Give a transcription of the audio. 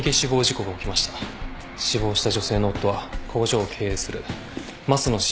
死亡した女性の夫は工場を経営する益野紳祐。